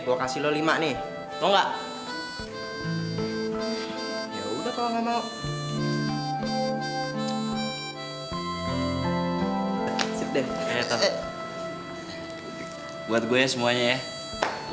buat gue semuanya ya